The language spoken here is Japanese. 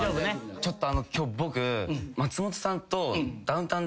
ちょっと今日僕。